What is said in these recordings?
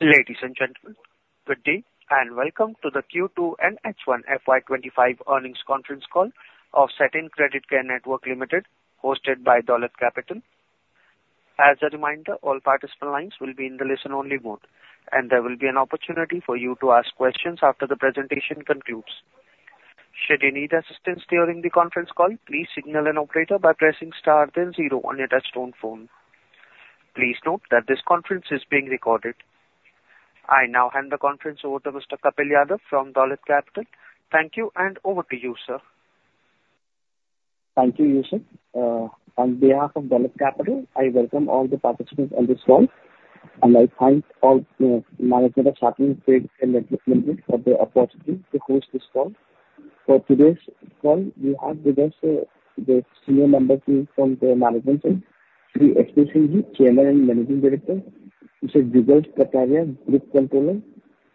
Ladies and gentlemen, good day and welcome to the Q2 & H1 FY 2025 earnings conference call of Satin Creditcare Network Limited, hosted by Dolat Capital. As a reminder, all participant lines will be in the listen-only mode, and there will be an opportunity for you to ask questions after the presentation concludes. Should you need assistance during the conference call, please signal an operator by pressing star then zero on your touchtone phone. Please note that this conference is being recorded. I now hand the conference over to Mr. Kapil Yadav from Dolat Capital. Thank you, and over to you, sir. Thank you, Yusuf. On behalf of Dolat Capital, I welcome all the participants on this call, and I thank all managers of Satin Creditcare Network Limited for the opportunity to host this call. For today's call, we have with us the senior member team from the management team, Shri H.P. Singh Ji, Chairman and Managing Director. Mr. Jugal Kataria, Group Controller.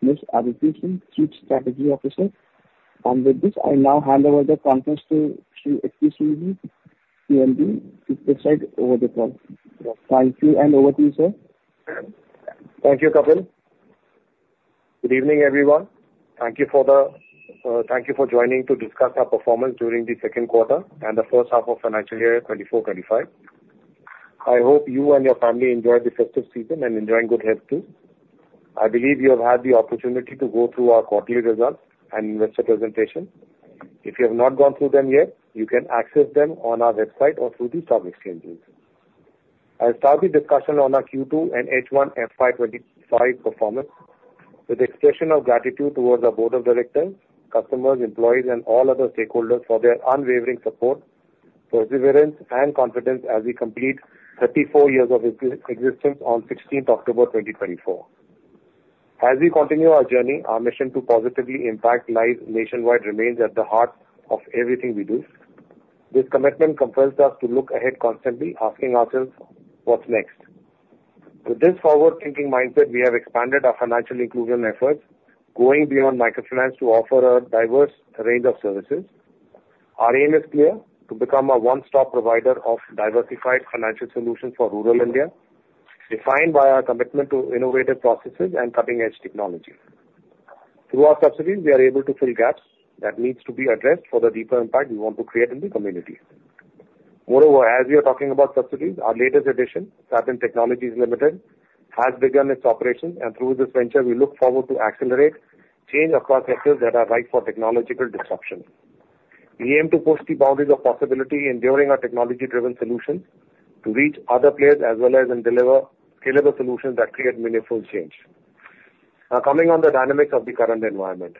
Ms. Aditi Singh, Chief Strategy Officer, and with this, I now hand over the conference to Shri H.P. Singh Ji, CMD, to preside over the call. Thank you, and over to you, sir. Thank you, Kapil. Good evening, everyone. Thank you for joining to discuss our performance during the second quarter and the first half of financial year 2024/2025. I hope you and your family enjoy the festive season and enjoy good health too. I believe you have had the opportunity to go through our quarterly results and investor presentation. If you have not gone through them yet, you can access them on our website or through the stock exchanges. I'll start the discussion on our Q2 and H1 FY 2025 performance with the expression of gratitude towards our Board of Directors, customers, employees, and all other stakeholders for their unwavering support, perseverance, and confidence as we complete 34 years of existence on 16th October 2024. As we continue our journey, our mission to positively impact lives nationwide remains at the heart of everything we do. This commitment compels us to look ahead constantly, asking ourselves, "What's next?" With this forward-thinking mindset, we have expanded our financial inclusion efforts, going beyond microfinance to offer a diverse range of services. Our aim is clear: to become a one-stop provider of diversified financial solutions for rural India, defined by our commitment to innovative processes and cutting-edge technology. Through our subsidiaries, we are able to fill gaps that need to be addressed for the deeper impact we want to create in the community. Moreover, as we are talking about subsidiaries, our latest addition, Satin Technologies Limited, has begun its operations, and through this venture, we look forward to accelerate change across sectors that are ripe for technological disruption. We aim to push the boundaries of possibility in building our technology-driven solutions to reach other players as well as deliver scalable solutions that create meaningful change. Now, coming on the dynamics of the current environment,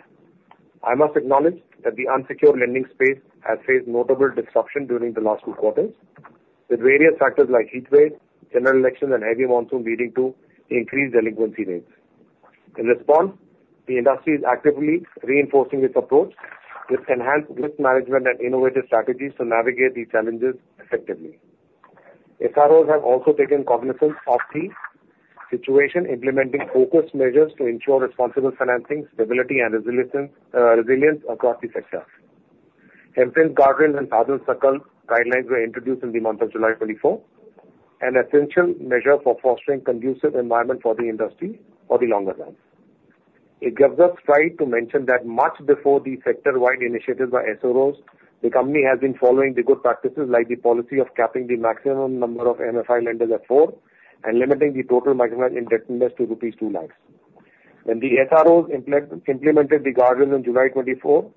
I must acknowledge that the unsecured lending space has faced notable disruption during the last two quarters, with various factors like heat waves, general elections, and heavy monsoon leading to increased delinquency rates. In response, the industry is actively reinforcing its approach with enhanced risk management and innovative strategies to navigate these challenges effectively. SROs have also taken cognizance of the situation, implementing focused measures to ensure responsible financing, stability, and resilience across the sector. MFIN, Sa-Dhan, and household indebtedness guidelines were introduced in the month of July 2024, an essential measure for fostering a conducive environment for the industry for the longer run. It gives us pride to mention that much before the sector-wide initiatives by SROs, the company has been following the good practices like the policy of capping the maximum number of MFI lenders at four and limiting the total microfinance indebtedness to rupees 2 lakhs. When the SROs implemented the guardrails in July 2024,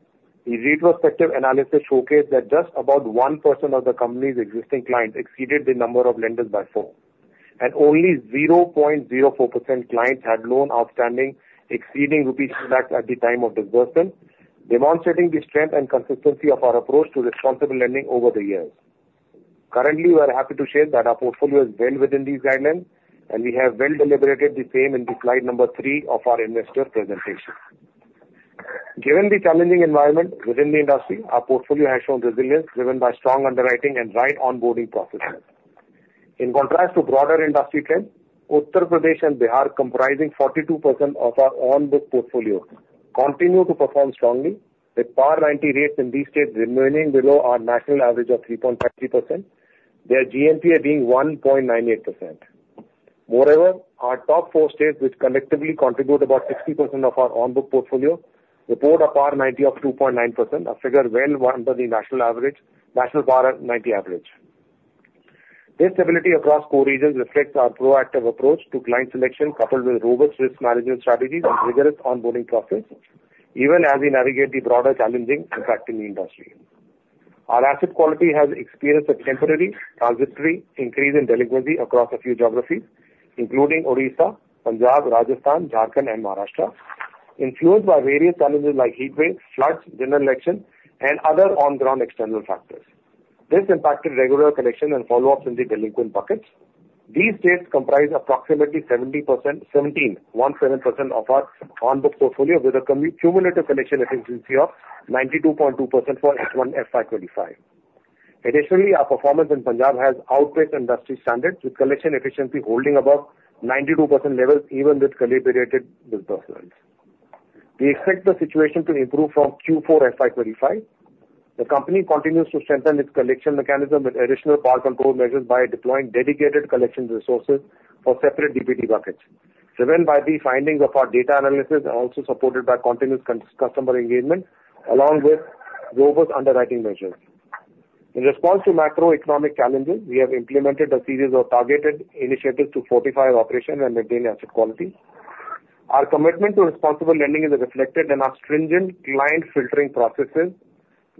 the retrospective analysis showcased that just about 1% of the company's existing clients exceeded the number of lenders by four, and only 0.04% clients had loans outstanding exceeding rupees 2 lakhs at the time of disbursement, demonstrating the strength and consistency of our approach to responsible lending over the years. Currently, we are happy to share that our portfolio is well within these guidelines, and we have well deliberated the same in slide number three of our investor presentation. Given the challenging environment within the industry, our portfolio has shown resilience driven by strong underwriting and right onboarding processes. In contrast to broader industry trends, Uttar Pradesh and Bihar, comprising 42% of our own book portfolio, continue to perform strongly, with PAR 90 rates in these states remaining below our national average of 3.53%, their GNPA being 1.98%. Moreover, our top four states, which collectively contribute about 60% of our own book portfolio, report a PAR 90 of 2.9%, a figure well under the national PAR 90 average. This stability across core regions reflects our proactive approach to client selection, coupled with robust risk management strategies and rigorous onboarding processes, even as we navigate the broader challenging impact in the industry. Our asset quality has experienced a temporary transitory increase in delinquency across a few geographies, including Odisha, Punjab, Rajasthan, Jharkhand, and Maharashtra, influenced by various challenges like heat waves, floods, general elections, and other on-ground external factors. This impacted regular collections and follow-ups in the delinquent buckets. These states comprise approximately 17% of our own book portfolio, with a cumulative collection efficiency of 92.2% for FY 2025. Additionally, our performance in Punjab has outpaced industry standards, with collection efficiency holding above 92% levels, even with calibrated disbursements. We expect the situation to improve from Q4 FY 2025. The company continues to strengthen its collection mechanism with additional PAR control measures by deploying dedicated collection resources for separate DPD buckets, driven by the findings of our data analysis and also supported by continuous customer engagement, along with robust underwriting measures. In response to macroeconomic challenges, we have implemented a series of targeted initiatives to fortify our operation and maintain asset quality. Our commitment to responsible lending is reflected in our stringent client filtering processes,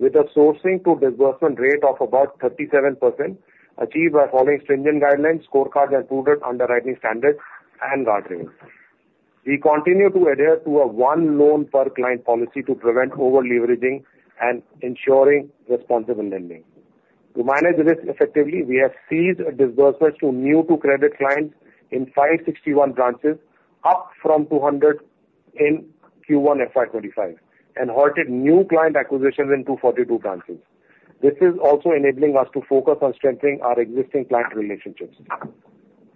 with a sourcing-to-disbursement rate of about 37% achieved by following stringent guidelines, scorecards, and prudent underwriting standards and guardrails. We continue to adhere to a one-loan-per-client policy to prevent over-leveraging and ensuring responsible lending. To manage this effectively, we have ceased disbursements to new-to-credit clients in 561 branches, up from 200 in Q1 FY 2025, and halted new client acquisitions in 242 branches. This is also enabling us to focus on strengthening our existing client relationships.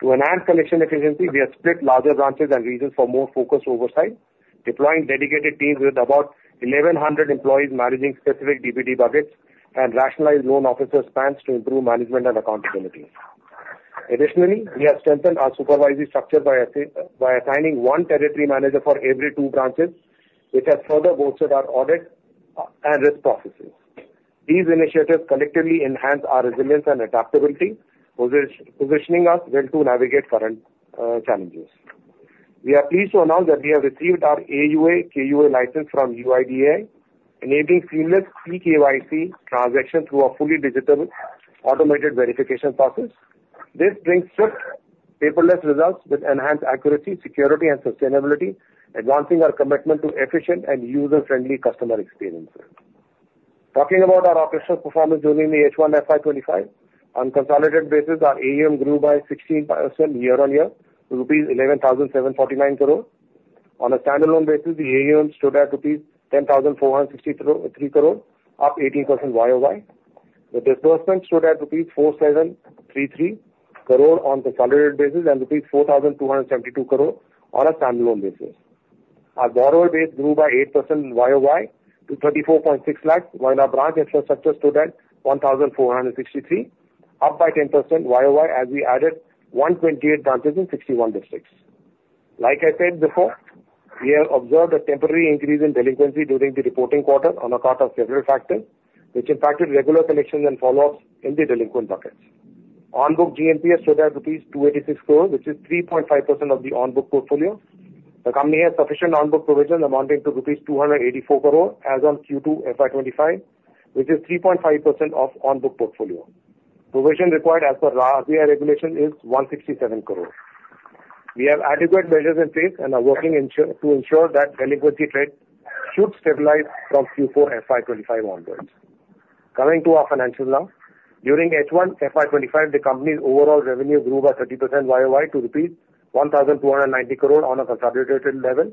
To enhance collection efficiency, we have split larger branches and regions for more focused oversight, deploying dedicated teams with about 1,100 employees managing specific DPD buckets and rationalized loan officer spans to improve management and accountability. Additionally, we have strengthened our supervisory structure by assigning one territory manager for every two branches, which has further bolstered our audit and risk processes. These initiatives collectively enhance our resilience and adaptability, positioning us well to navigate current challenges. We are pleased to announce that we have received our AUA KUA license from UIDAI, enabling seamless eKYC transactions through a fully digital automated verification process. This brings swift, paperless results with enhanced accuracy, security, and sustainability, advancing our commitment to efficient and user-friendly customer experiences. Talking about our operational performance during the H1 FY 2025, on a consolidated basis, our AUM grew by 16% year-on-year to rupees 11,749 crore. On a standalone basis, the AUM stood at rupees 10,463 crore, up 18% YoY. The disbursement stood at rupees 4,733 crore on a consolidated basis and rupees 4,272 crore on a standalone basis. Our borrower base grew by 8% YoY to 34.6 lakhs, while our branch infrastructure stood at 1,463, up by 10% YoY as we added 128 branches in 61 districts. Like I said before, we have observed a temporary increase in delinquency during the reporting quarter on account of several factors, which impacted regular collections and follow-ups in the delinquent buckets. On-book GNPA stood at rupees 286 crore, which is 3.5% of the on-book portfolio. The company has sufficient on-book provisions amounting to rupees 284 crore as of Q2 FY 2025, which is 3.5% of on-book portfolio. Provision required as per RBI regulation is 167 crore. We have adequate measures in place and are working to ensure that delinquency trend should stabilize from Q4 FY 2025 onwards. Coming to our financials now, during H1 FY 2025, the company's overall revenue grew by 30% YoY to rupees 1,290 crore on a consolidated level,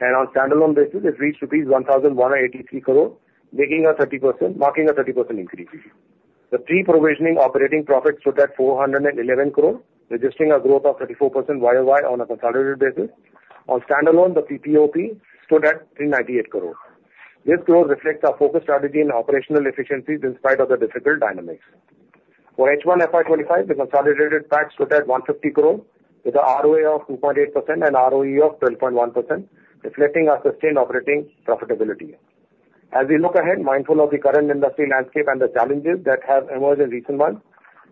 and on a standalone basis, it reached rupees 1,183 crore, marking a 30% increase. The pre-provisioning operating profit stood at 411 crore, registering a growth of 34% YoY on a consolidated basis. On standalone, the PPOP stood at 398 crore. This growth reflects our focused strategy and operational efficiencies in spite of the difficult dynamics. For H1 FY 2025, the consolidated PAT stood at 150 crore, with an ROA of 2.8% and ROE of 12.1%, reflecting our sustained operating profitability. As we look ahead, mindful of the current industry landscape and the challenges that have emerged in recent months,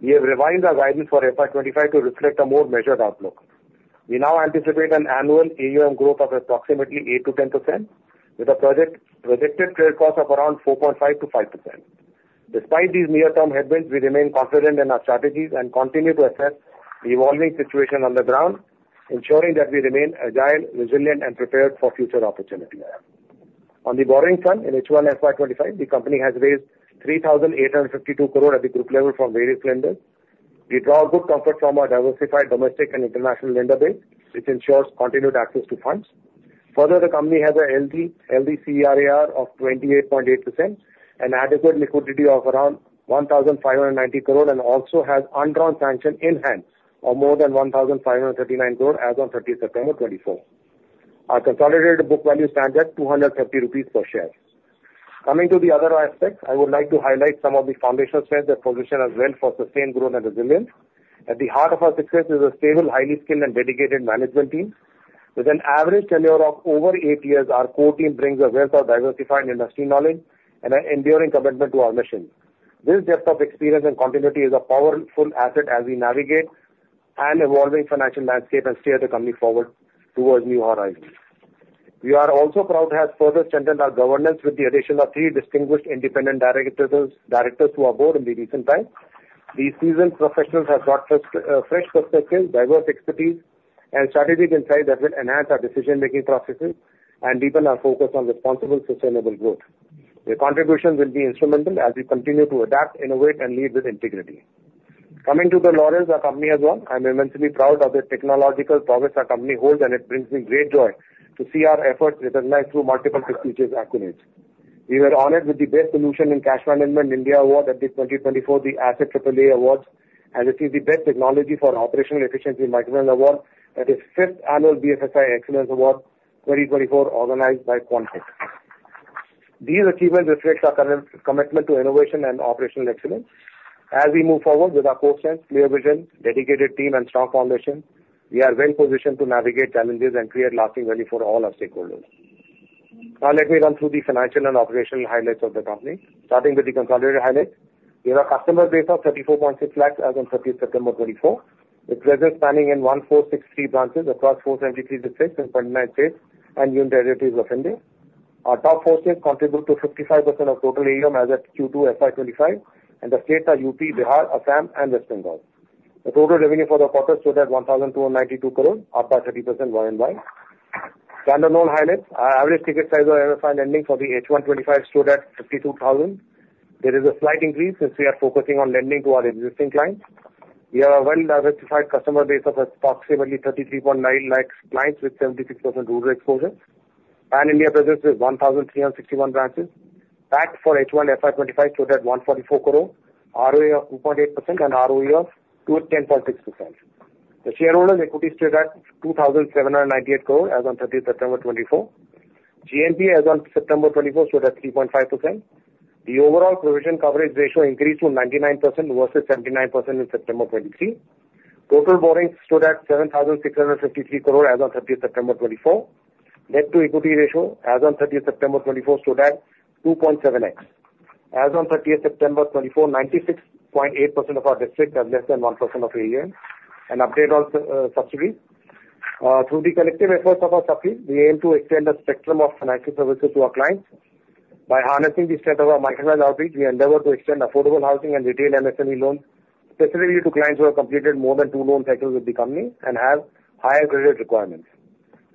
we have revised our guidance for FY 2025 to reflect a more measured outlook. We now anticipate an annual AUM growth of approximately 8%-10%, with a projected credit cost of around 4.5%-5%. Despite these near-term headwinds, we remain confident in our strategies and continue to assess the evolving situation on the ground, ensuring that we remain agile, resilient, and prepared for future opportunities. On the borrowing front, in H1 FY 2025, the company has raised 3,852 crore at the group level from various lenders. We draw good comfort from our diversified domestic and international lender base, which ensures continued access to funds. Further, the company has an CRAR of 28.8%, an adequate liquidity of around 1,590 crore, and also has undrawn sanctions in hand of more than 1,539 crore as of 30 September 2024. Our consolidated book value stands at 250 rupees per share. Coming to the other aspects, I would like to highlight some of the foundational strengths that position us well for sustained growth and resilience. At the heart of our success is a stable, highly skilled, and dedicated management team. With an average tenure of over eight years, our core team brings a wealth of diversified industry knowledge and an enduring commitment to our mission. This depth of experience and continuity is a powerful asset as we navigate an evolving financial landscape and steer the company forward towards new horizons. We are also proud to have further strengthened our governance with the addition of three distinguished independent directors to our board in the recent times. These seasoned professionals have brought fresh perspectives, diverse expertise, and strategic insights that will enhance our decision-making processes and deepen our focus on responsible, sustainable growth. Their contribution will be instrumental as we continue to adapt, innovate, and lead with integrity. Coming to the laurels, our company as well. I'm immensely proud of the technological progress our company holds, and it brings me great joy to see our efforts recognized through multiple prestigious accolades. We were honored with the Best Solution in Cash Management India Award at the 2024 The Asset AAA Awards, and received the Best Technology for Operational Efficiency MicroLend Award at the 5th Annual BFSI Excellence Award 2024 organized by Quantic. These achievements reflect our commitment to innovation and operational excellence. As we move forward with our core strengths, clear vision, dedicated team, and strong foundation, we are well positioned to navigate challenges and create lasting value for all our stakeholders. Now, let me run through the financial and operational highlights of the company, starting with the consolidated highlights. We have a customer base of 34.6 lakhs as of 30 September 2024, with presence spanning in 1,463 branches across 473 districts in 29 states and Union Territories of India. Our top four states contribute to 55% of total AUM as of Q2 FY 2025, and the states are UP, Bihar, Assam, and West Bengal. The total revenue for the quarter stood at 1,292 crore, up by 30% YoY. Standalone highlights, our average ticket size of MFI lending for the H1 FY 2025 stood at 52,000. There is a slight increase since we are focusing on lending to our existing clients. We have a well-diversified customer base of approximately 33.9 lakhs clients with 76% rural exposure. Pan India presence is 1,361 branches. PAT for H1 FY 2025 stood at 144 crore, ROA of 2.8%, and ROE of 10.6%. The shareholders' equity stood at 2,798 crore as of 30 September 2024. GNPA as of September 2024 stood at 3.5%. The overall provision coverage ratio increased to 99% versus 79% in September 2023. Total borrowing stood at 7,653 crore as of 30 September 2024. Debt-to-equity ratio as of 30 September 2024 stood at 2.7x. As of 30 September 2024, 96.8% of our districts have less than 1% of AUM, an update on subsidiaries. Through the collective efforts of our subsidiaries, we aim to extend the spectrum of financial services to our clients. By harnessing the strength of our microfinance outreach, we endeavor to extend affordable housing and retail MSME loans specifically to clients who have completed more than two loan cycles with the company and have higher credit requirements.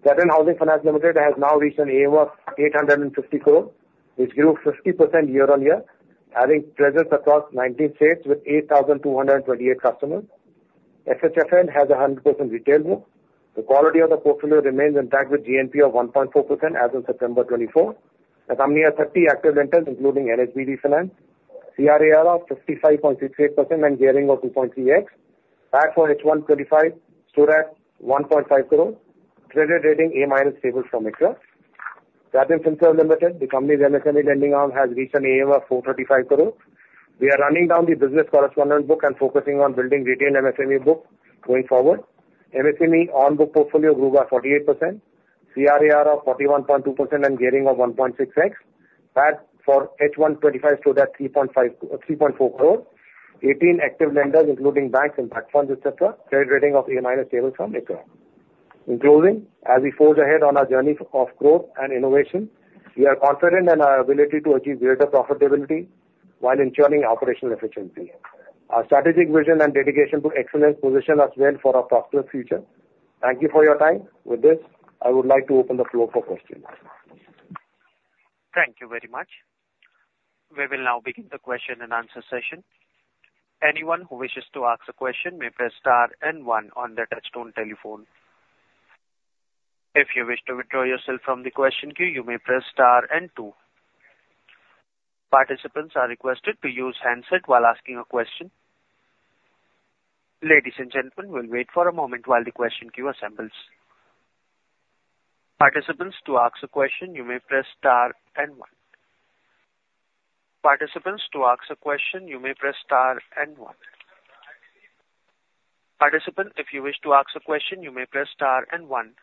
Satin Housing Finance Limited has now reached an AUM of 850 crore, which grew 50% year-on-year, having presence across 19 states with 8,228 customers. SHFL has a 100% retail book. The quality of the portfolio remains intact with GNPA of 1.4% as of September 24. The company has 30 active lenders, including NHB Finance, CRAR of 55.68%, and gearing of 2.3x. PAT for H1 2025 stood at 1.5 crore, credit rating A- stable from CARE Ratings. Satin Finserv Limited, the company's MSME lending arm, has reached an AUM of 435 crore. We are running down the business correspondent book and focusing on building retail MSME book going forward. MSME on-book portfolio grew by 48%, CRAR of 41.2%, and gearing of 1.6x. PAT for H1 2025 stood at 3.4 crore, 18 active lenders, including banks and platforms, et cetera, credit rating of A- stable from CARE Ratings. In closing, as we forge ahead on our journey of growth and innovation, we are confident in our ability to achieve greater profitability while ensuring operational efficiency. Our strategic vision and dedication to excellence position us well for our prosperous future. Thank you for your time. With this, I would like to open the floor for questions. Thank you very much. We will now begin the question and answer session. Anyone who wishes to ask a question may press star and one on the touchtone telephone. If you wish to withdraw yourself from the question queue, you may press star and two. Participants are requested to use handset while asking a question. Ladies and gentlemen, we'll wait for a moment while the question queue assembles. Participants, to ask a question, you may press star and one. Participants, to ask a question, you may press star and one. Participant, if you wish to ask a question, you may press star and one.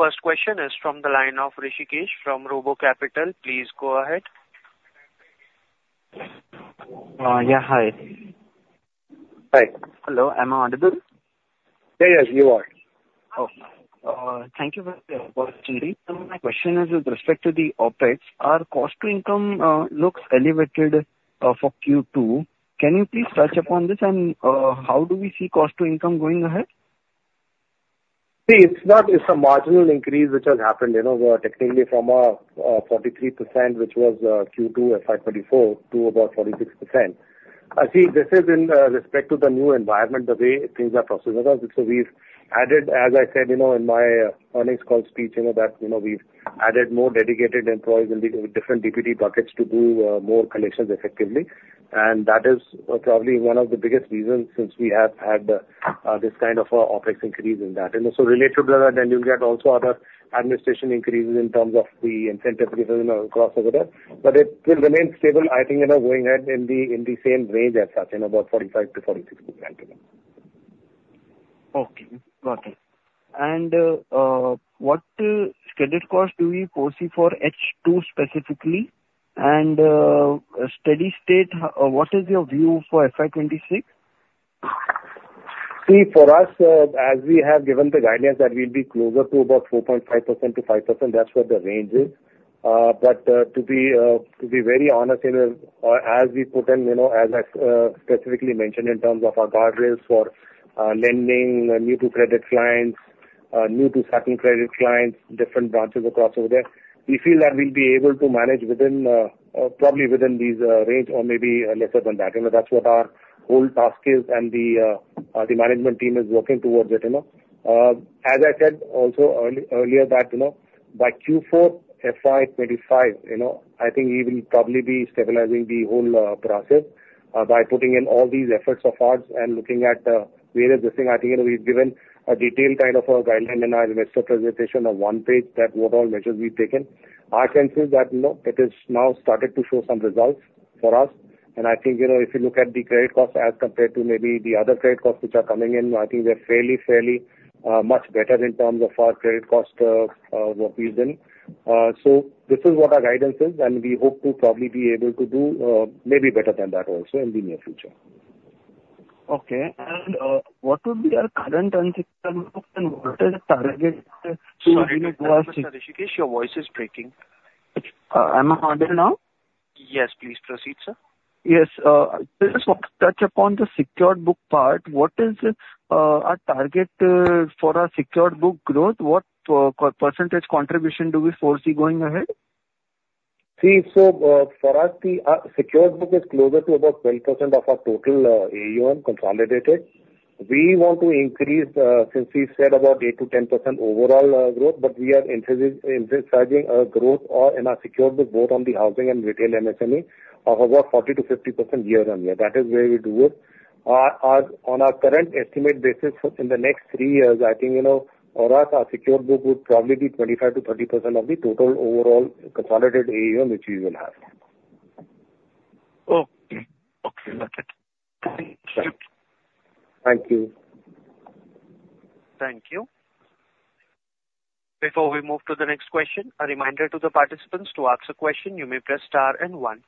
First question is from the line of Rishikesh from RoboCapital. Please go ahead. Yeah, hi. Hi. Hello, am I audible? Yeah, yeah, you are. Oh, thank you for the opportunity. My question is with respect to the OpEx, our cost-to-income looks elevated for Q2. Can you please touch upon this, and how do we see cost-to-income going ahead? See, it's not a marginal increase which has happened. Technically, from our 43%, which was Q2 FY 2024, to about 46%. See, this is in respect to the new environment, the way things are proceeding. So we've added, as I said in my earnings call speech, that we've added more dedicated employees in different DPD buckets to do more collections effectively. And that is probably one of the biggest reasons since we have had this kind of OpEx increase in that. So related to that, then you'll get also other administration increases in terms of the incentive given across over there. But it will remain stable, I think, going ahead in the same range as such, about 45%-46%. Okay, got it. And what credit cost do we foresee for H2 specifically? And steady state, what is your view for FY 2026? See, for us, as we have given the guidance that we'll be closer to about 4.5%-5%, that's what the range is. But to be very honest, as we put in, as I specifically mentioned in terms of our guardrails for lending new-to-credit clients, new-to-settled-credit clients, different branches across over there, we feel that we'll be able to manage probably within these range or maybe lesser than that. That's what our whole task is, and the management team is working towards it. As I said also earlier that by Q4 FY 2025, I think we will probably be stabilizing the whole process by putting in all these efforts of ours and looking at various things. I think we've given a detailed kind of guideline in our investor presentation of one page that what all measures we've taken. I can see that it has now started to show some results for us. And I think if you look at the credit costs as compared to maybe the other credit costs which are coming in, I think they're fairly, fairly much better in terms of our credit cost work we've done. So this is what our guidance is, and we hope to probably be able to do maybe better than that also in the near future. Okay. And what would be our current unsecured book, and what is the target? Sorry to interrupt, Rishikesh, your voice is breaking. Am I audible now? Yes, please proceed, sir. Yes. Just want to touch upon the secured book part. What is our target for our secured book growth? What percentage contribution do we foresee going ahead? See, so for us, the secured book is closer to about 12% of our total AUM consolidated. We want to increase, since we said, about 8%-10% overall growth, but we are emphasizing a growth in our secured book both on the housing and retail MSME of about 40%-50% year-on-year. That is where we do it. On our current estimate basis, in the next three years, I think for us, our secured book would probably be 25%-30% of the total overall consolidated AUM which we will have. Okay. Okay, got it. Thank you. Thank you. Before we move to the next question, a reminder to the participants to ask a question. You may press star and one.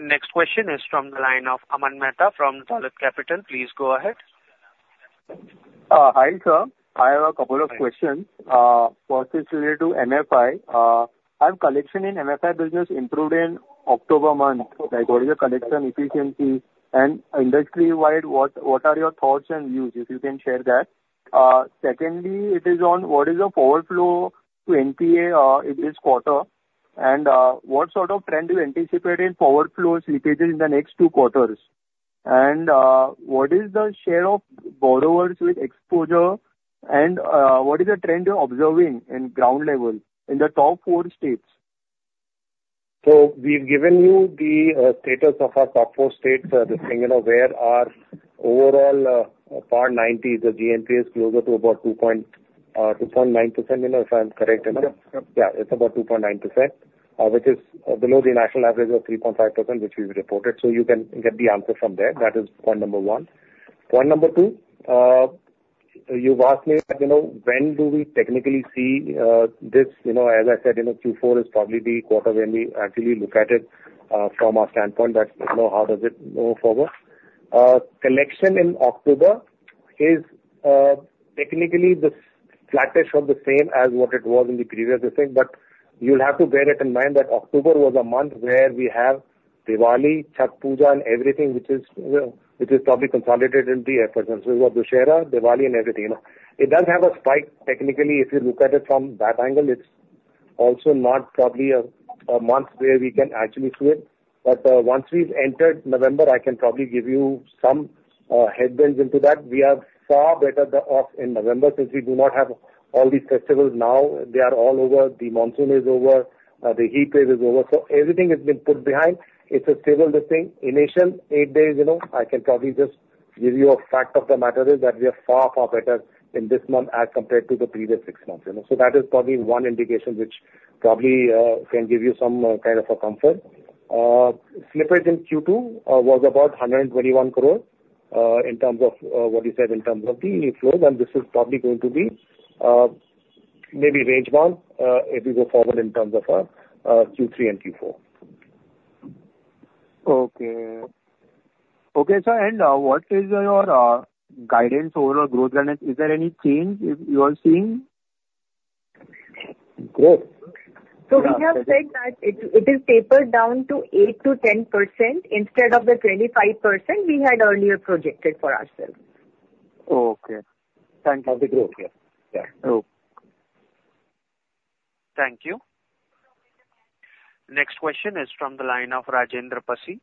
Next question is from the line of Aman Mehta from Dolat Capital. Please go ahead. Hi, sir. I have a couple of questions. First is related to MFI. I have collection in MFI business improved in October month. I got the collection efficiency and industry-wide. What are your thoughts and views if you can share that? Secondly, it is on what is the slippage to NPA in this quarter? And what sort of trend do you anticipate in slippage leakages in the next two quarters? And what is the share of borrowers with exposure? And what is the trend you're observing in ground level in the top four states? So we've given you the status of our top four states this thing. Where our overall PAR 90, the GNPA is closer to about 2.9%, if I'm correct. Yeah, it's about 2.9%, which is below the national average of 3.5%, which we've reported. So you can get the answer from there. That is point number one. Point number two, you've asked me when do we technically see this. As I said, Q4 is probably the quarter when we actually look at it from our standpoint. But how does it go forward? Collection in October is technically the flatish of the same as what it was in the previous thing. But you'll have to bear it in mind that October was a month where we have Diwali, Chhath Puja, and everything which is probably consolidated in the efforts. And so we've got Dussehra, Diwali, and everything. It does have a spike technically. If you look at it from that angle, it's also not probably a month where we can actually see it, but once we've entered November, I can probably give you some headwinds into that. We are far better off in November since we do not have all these festivals now. They are all over. The monsoon is over. The heat wave is over, so everything has been put behind. It's a stable thing. In the initial eight days, I can probably just give you a fact of the matter is that we are far, far better in this month as compared to the previous six months, so that is probably one indication which probably can give you some kind of a comfort. Slippage in Q2 was about 121 crore in terms of what you said in terms of the flows. And this is probably going to be maybe range-bound if we go forward in terms of Q3 and Q4. Okay. Okay, sir. And what is your guidance overall growth guidance? Is there any change you are seeing? So we have said that it is tapered down to 8%-10% instead of the 25% we had earlier projected for ourselves. Okay. Thank you. Thank you. Next question is from the line of Rajendra Pasi,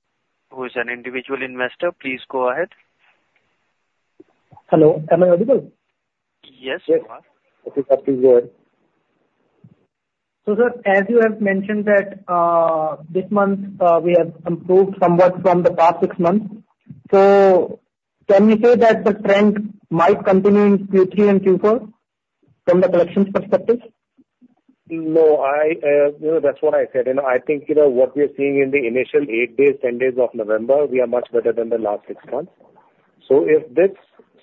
who is an individual investor. Please go ahead. Hello. Am I audible? Yes, you are. Yes. Rishikesh, please go ahead. So sir, as you have mentioned that this month we have improved somewhat from the past six months. So can you say that the trend might continue in Q3 and Q4 from the collections perspective? No, that's what I said. I think what we are seeing in the initial eight days, ten days of November, we are much better than the last six months. So if this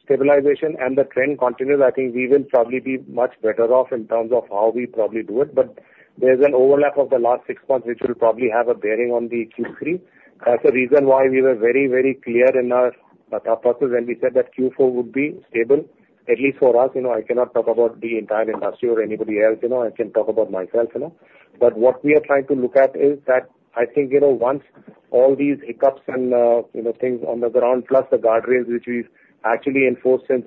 stabilization and the trend continues, I think we will probably be much better off in terms of how we probably do it. But there's an overlap of the last six months which will probably have a bearing on the Q3. That's the reason why we were very, very clear in our process when we said that Q4 would be stable, at least for us. I cannot talk about the entire industry or anybody else. I can talk about myself. But what we are trying to look at is that I think once all these hiccups and things on the ground, plus the guardrails which we've actually enforced since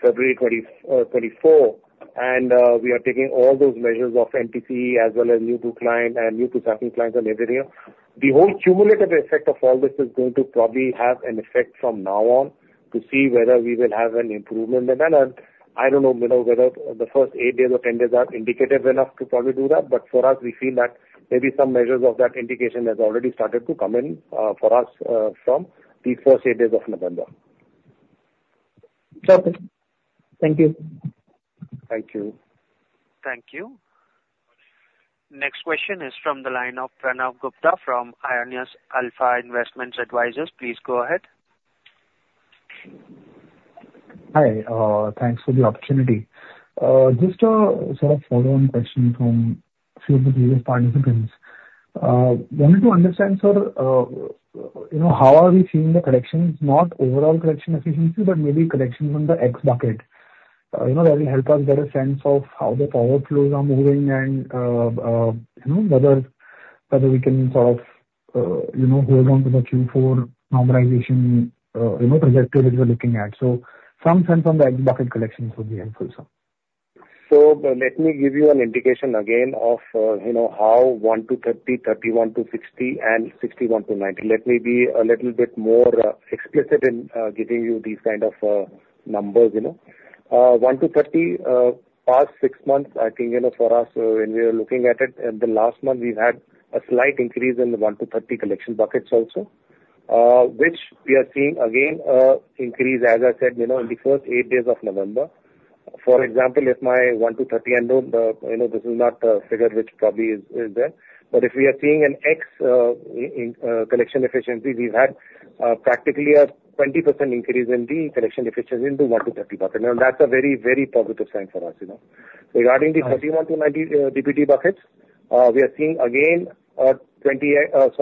February 24, and we are taking all those measures of NTC as well as new-to-client and new-to-settled clients and everything, the whole cumulative effect of all this is going to probably have an effect from now on to see whether we will have an improvement. And I don't know whether the first eight days or 10 days are indicative enough to probably do that. But for us, we feel that maybe some measures of that indication has already started to come in for us from the first eight days of November. Okay. Thank you. Thank you. Thank you. Next question is from the line of Pranav Gupta from Aionios Alpha Investment Advisors. Please go ahead. Hi. Thanks for the opportunity. Just a sort of follow-on question from a few of the previous participants. Wanted to understand, sir, how are we seeing the collections, not overall collection efficiency, but maybe collections on the X bucket? That will help us get a sense of how the pay flows are moving and whether we can sort of hold on to the Q4 normalization trajectory that we're looking at. So some sense on the X bucket collections would be helpful, sir. So let me give you an indication again of how 1-30, 31-60, and 61-90. Let me be a little bit more explicit in giving you these kind of numbers. 1 to 30, past six months, I think for us, when we are looking at it, in the last month, we've had a slight increase in the 1 to 30 collection buckets also, which we are seeing again increase, as I said, in the first eight days of November. For example, if my 1 to 30, I know this is not a figure which probably is there. But if we are seeing an X collection efficiency, we've had practically a 20% increase in the collection efficiency into 1 to 30 buckets. And that's a very, very positive sign for us. Regarding the 31 to 90 DPD buckets, we are seeing again a 20%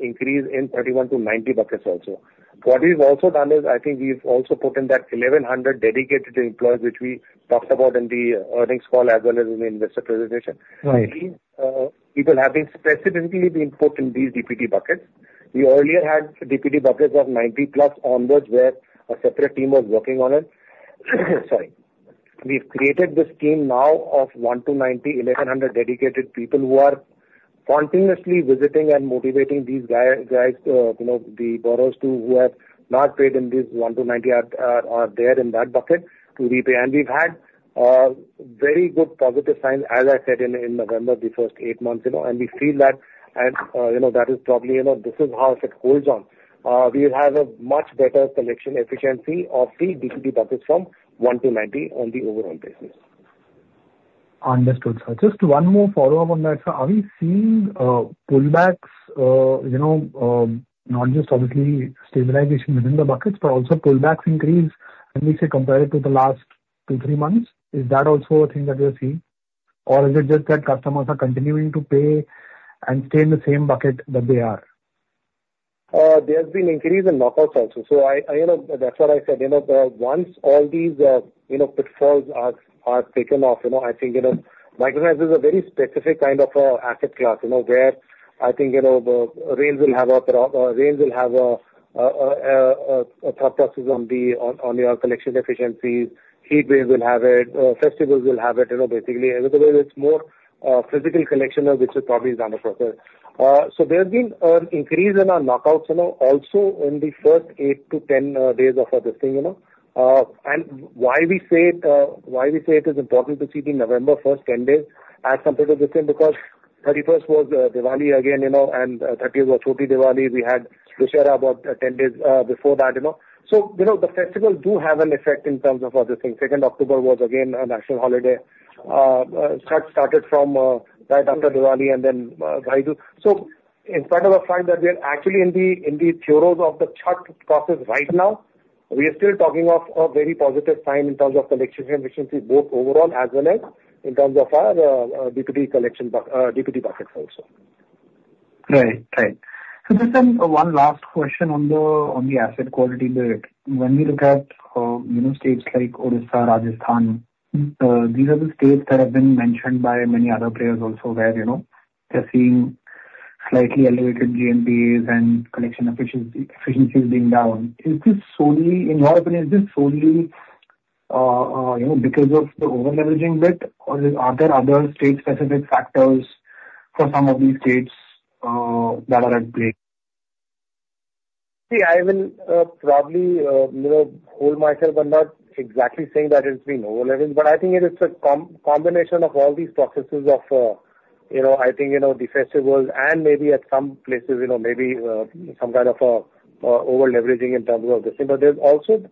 increase in 31 to 90 buckets also. What we've also done is I think we've also put in that 1,100 dedicated employees which we talked about in the earnings call as well as in the investor presentation. People have been specifically being put in these DPD buckets. We earlier had DPD buckets of 90+ onwards where a separate team was working on it. Sorry. We've created this team now of 1 to 90, 1,100 dedicated people who are continuously visiting and motivating these guys, the borrowers who have not paid in these 1 to 90 are there in that bucket to repay. And we've had very good positive signs, as I said, in November, the first eight months. And we feel that that is probably this is how it holds on. We have a much better collection efficiency of the DPD buckets from 1 to 90 on the overall basis. Understood, sir. Just one more follow-up on that, sir. Are we seeing pullbacks, not just obviously stabilization within the buckets, but also pullbacks increase when we say compared to the last two, three months? Is that also a thing that you're seeing? Or is it just that customers are continuing to pay and stay in the same bucket that they are? There's been increase in knockouts also. So that's what I said. Once all these pitfalls are taken off, I think microfinance is a very specific kind of asset class where I think rains will have a thought process on your collection efficiencies. Heat waves will have it. Festivals will have it. Basically, it's more physical collection, which is probably done appropriately. So there's been an increase in our knockouts also in the first eight to ten days of this thing. And why we say it is important to see the November first ten days as compared to this thing? Because 31st was Diwali again, and 30th was Chhoti Diwali. We had Dussehra about ten days before that. So the festivals do have an effect in terms of other things. October 2nd was again a national holiday. Chhath started from right after Diwali and then Bhai Dooj. So in spite of the fact that we are actually in the midst of the Chhath process right now, we are still talking of a very positive sign in terms of collection efficiency, both overall as well as in terms of our DPD collection buckets also. Right. Right. So just one last question on the asset quality bit. When we look at states like Odisha, Rajasthan, these are the states that have been mentioned by many other players also where they're seeing slightly elevated GNPAs and collection efficiencies being down. Is this solely in your opinion, is this solely because of the overleveraging bit, or are there other state-specific factors for some of these states that are at play? See, I will probably hold myself and not exactly saying that it's been overleveraged, but I think it is a combination of all these processes of, I think, the festivals and maybe at some places, maybe some kind of overleveraging in terms of this. There's also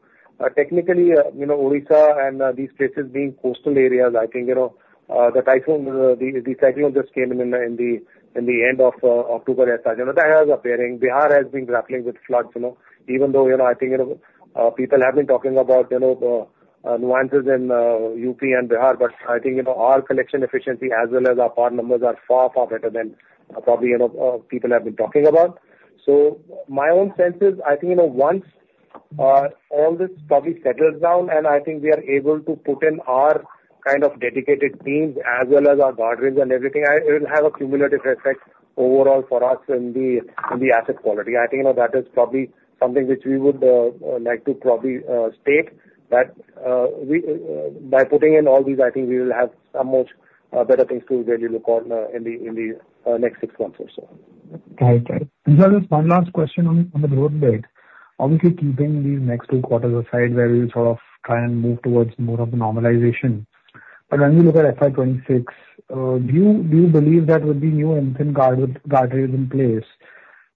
technically Odisha and these places being coastal areas. I think the typhoon, the cyclone just came in the end of October as such. That has a bearing. Bihar has been grappling with floods. Even though I think people have been talking about nuances in UP and Bihar, but I think our collection efficiency as well as our PAR numbers are far, far better than probably people have been talking about. So my own sense is I think once all this probably settles down and I think we are able to put in our kind of dedicated teams as well as our guardrails and everything, it will have a cumulative effect overall for us in the asset quality. I think that is probably something which we would like to probably state that by putting in all these, I think we will have some much better things to really look on in the next six months or so. Okay. Great. And sir, just one last question on the growth bit. Obviously, keeping these next two quarters aside where we'll sort of try and move towards more of the normalization. But when we look at FY 2026, do you believe that with the new and stringent guardrails in place,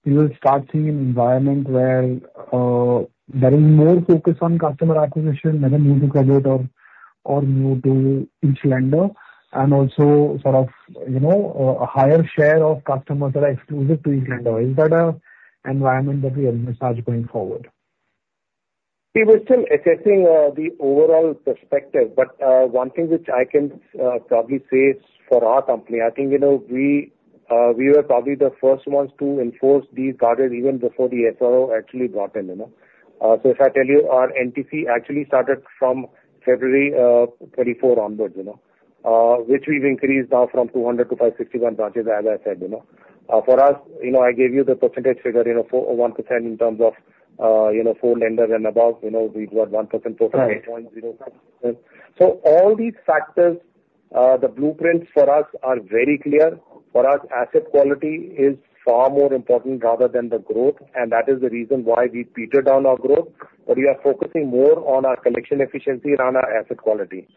we will start seeing an environment where there is more focus on customer acquisition, net new to credit or new to each lender, and also sort of a higher share of customers that are exclusive to each lender? Is that an environment that we are going to start going forward? We are still assessing the overall perspective. But one thing which I can probably say for our company, I think we were probably the first ones to enforce these guardrails even before the SRO actually brought in. So if I tell you, our NTC actually started from February 2024 onwards, which we've increased now from 200 to 561 branches, as I said. For us, I gave you the percentage figure, 1% in terms of four lenders and above. We've got 1 percentage point. So all these factors, the blueprints for us are very clear. For us, asset quality is far more important rather than the growth. And that is the reason why we petered down our growth. But we are focusing more on our collection efficiency and on our asset quality.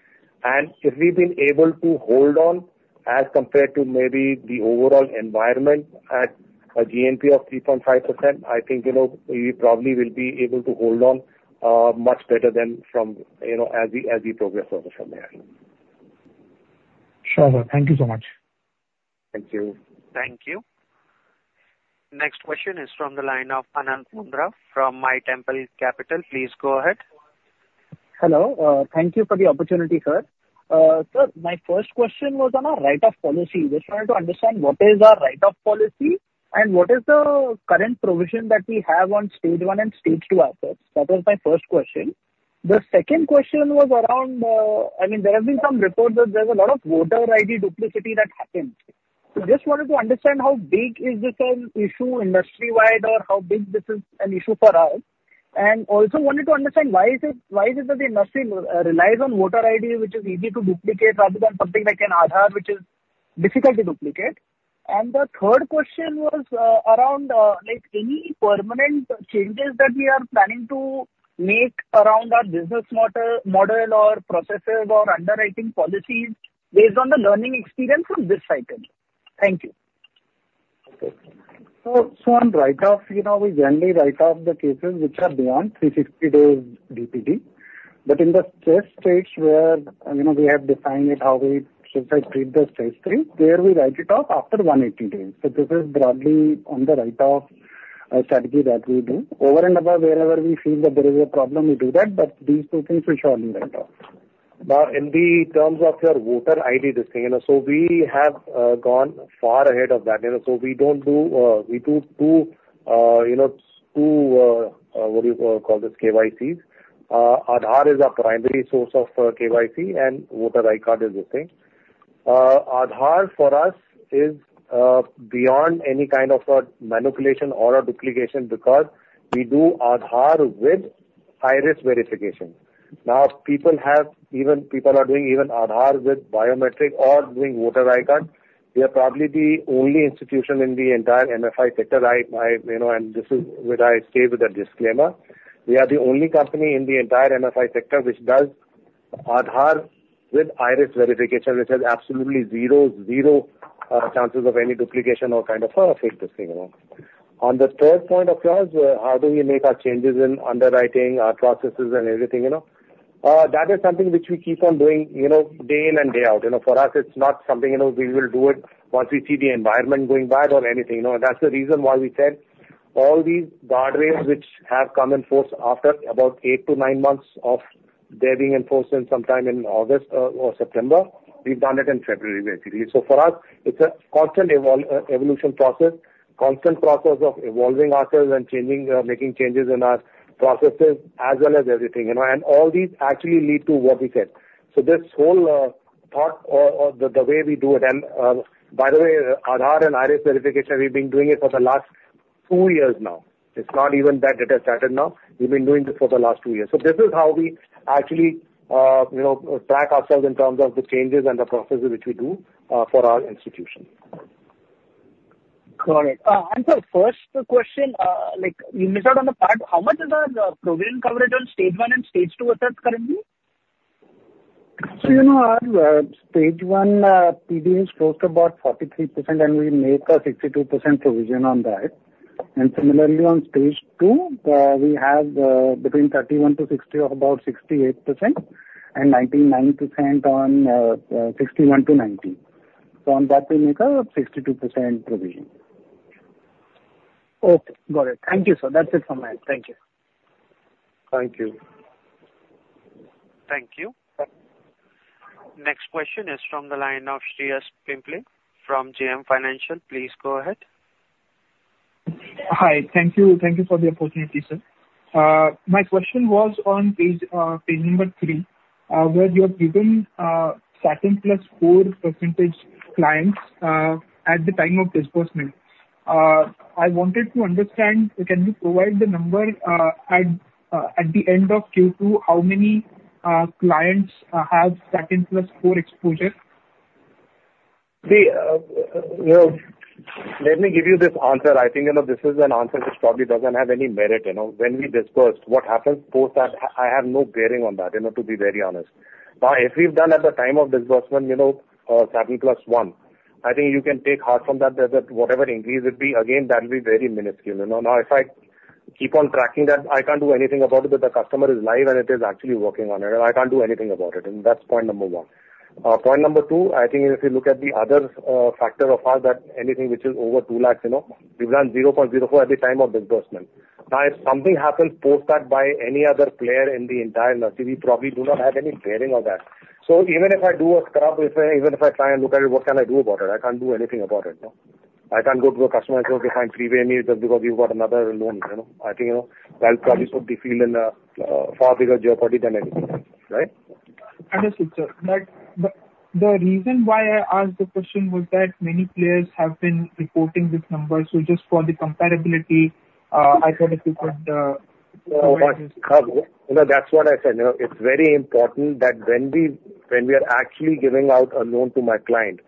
And if we've been able to hold on as compared to maybe the overall environment at a GNPA of 3.5%, I think we probably will be able to hold on much better than as we progress further from there. Sure, sir. Thank you so much. Thank you. Thank you. Next question is from the line of Anant Mundra from Mytemple Capital. Please go ahead. Hello. Thank you for the opportunity, sir. Sir, my first question was on our write-off policy. Just wanted to understand what is our write-off policy and what is the current provision that we have on stage one and stage two assets. That was my first question. The second question was around, I mean, there have been some reports that there's a lot of voter ID duplicity that happens. So just wanted to understand how big is this an issue industry-wide or how big this is an issue for us. And also wanted to understand why is it that the industry relies on voter ID, which is easy to duplicate rather than something like an Aadhaar, which is difficult to duplicate. And the third question was around any permanent changes that we are planning to make around our business model or processes or underwriting policies based on the learning experience from this cycle. Thank you. Okay. So, on write-off, we generally write off the cases which are beyond 360 days DPD. But in the stressed states where we have defined how we should treat the stressed states, there we write it off after 180 days. So this is broadly our write-off strategy that we do. Over and above, wherever we feel that there is a problem, we do that. But these two things we surely write off. Now, in terms of your voter ID, so we have gone far ahead of that. So we do two what do you call this? KYCs. Aadhaar is our primary source of KYC, and voter ID card is the same. Aadhaar for us is beyond any kind of manipulation or duplication because we do Aadhaar with iris verification. Now, even people are doing Aadhaar with biometric or doing voter ID card. We are probably the only institution in the entire MFI sector, and this is where I state with a disclaimer. We are the only company in the entire MFI sector which does Aadhaar with iris verification, which has absolutely zero chances of any duplication or kind of fake this thing. On the third point of yours, how do we make our changes in underwriting, our processes, and everything? That is something which we keep on doing day in and day out. For us, it's not something we will do it once we see the environment going bad or anything. That's the reason why we said all these guardrails which have come in force after about eight to nine months of their being enforced in some time in August or September, we've done it in February, basically. For us, it's a constant evolution process, constant process of evolving assets and making changes in our processes as well as everything. All these actually lead to what we said. This whole thought or the way we do it, and by the way, Aadhaar and iris verification, we've been doing it for the last two years now. It's not even that it has started now. We've been doing this for the last two years. This is how we actually track ourselves in terms of the changes and the processes which we do for our institution. Got it. For the first question, you missed out on the part. How much is our provision coverage on stage one and stage two assets currently? Stage one PD is close to about 43%, and we make a 62% provision on that. And similarly, on stage two, we have between 31-60 of about 68% and 99% on 61-90. So on that, we make a 62% provision. Okay. Got it. Thank you, sir. That's it from my end. Thank you. Thank you. Thank you. Next question is from the line of Shreyas Pimple from JM Financial. Please go ahead. Hi. Thank you for the opportunity, sir. My question was on page number 3 where you have given Satin Plus 4 percentage clients at the time of disbursement. I wanted to understand, can you provide the number at the end of Q2, how many clients have Satin Plus 4 exposure? See, let me give you this answer. I think this is an answer which probably doesn't have any merit. When we disbursed, what happens post that, I have no bearing on that, to be very honest. Now, if we've done at the time of disbursement Satin Plus 1, I think you can take heart from that that whatever increase would be, again, that would be very minuscule. Now, if I keep on tracking that, I can't do anything about it if the customer is live and it is actually working on it. I can't do anything about it. And that's point number one. Point number two, I think if you look at the other factor of ours, that anything which is over 2 lakhs, we've done 0.04 at the time of disbursement. Now, if something happens post that by any other player in the entire industry, we probably do not have any bearing on that. So even if I do a scrub, even if I try and look at it, what can I do about it? I can't do anything about it. I can't go to a customer and say, "Okay, prepay me just because you've got another loan." I think that will probably put the field in a far bigger jeopardy than anything. Right? Understood, sir. The reason why I asked the question was that many players have been reporting this number. So just for the compatibility, I thought if you could. That's what I said. It's very important that when we are actually giving out a loan to my client,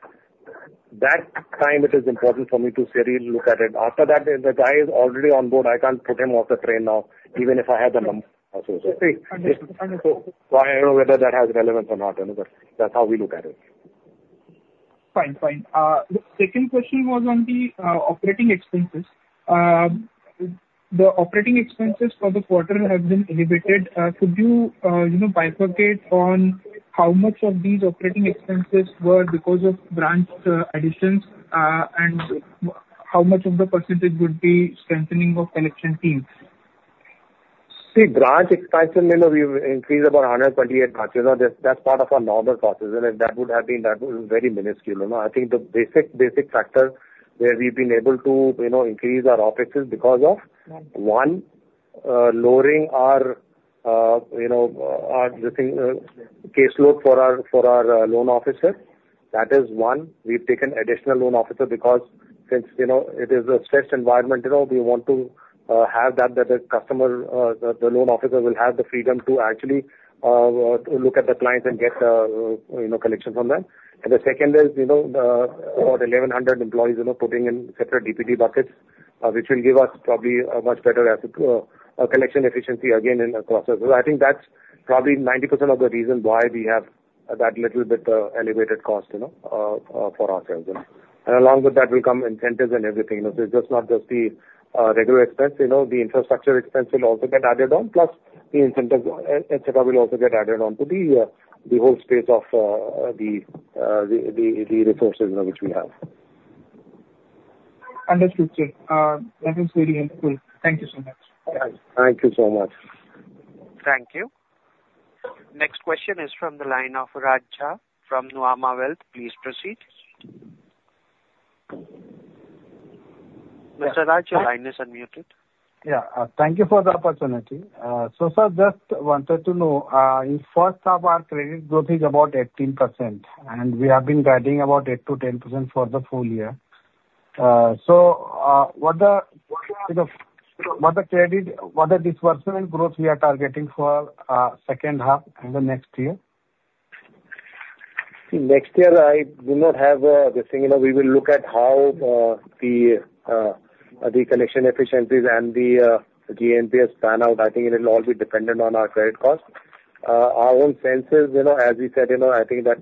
that time it is important for me to seriously look at it. After that, the guy is already on board. I can't put him off the train now, even if I have the number. So I don't know whether that has relevance or not, but that's how we look at it. Fine. Fine. The second question was on the operating expenses. The operating expenses for the quarter have been elevated. Could you bifurcate on how much of these operating expenses were because of branch additions and how much of the percentage would be strengthening of collection teams? See, branch expansion, we've increased about 128 branches. That's part of our normal process. If that would have been, that would be very minuscule. I think the basic factor where we've been able to increase our office is because of, one, lowering our caseload for our loan officer. That is one. We've taken additional loan officer because since it is a stressed environment, we want to have that the customer, the loan officer will have the freedom to actually look at the clients and get collection from them. And the second is about 1,100 employees putting in separate DPD buckets, which will give us probably a much better collection efficiency again in the process. I think that's probably 90% of the reason why we have that little bit elevated cost for ourselves. And along with that will come incentives and everything. It's just not just the regular expense. The infrastructure expense will also get added on, plus the incentives, et cetera, will also get added on to the whole space of the resources which we have. Understood, sir. That is very helpful. Thank you so much. Thank you so much. Thank you. Next question is from the line of Raja from Nuvama Wealth. Please proceed. Mr. Raja, the line is unmuted. Yeah. Thank you for the opportunity. Sir, just wanted to know, in first half, our credit growth is about 18%, and we have been guiding about 8%-10% for the full year. What the credit disbursement growth we are targeting for second half and the next year? Next year, I do not have a thing. We will look at how the collection efficiencies and the GNPA has panned out. I think it will all be dependent on our credit cost. Our own senses, as we said, I think that